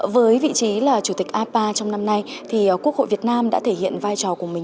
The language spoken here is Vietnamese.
với vị trí là chủ tịch ipa trong năm nay thì quốc hội việt nam đã thể hiện vai trò của mình